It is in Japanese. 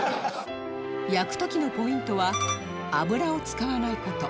焼く時のポイントは油を使わない事